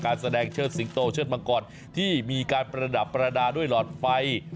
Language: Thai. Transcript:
แสดงเชิดสิงโตเชิดมังกรที่มีการประดับประดาษด้วยหลอดไฟ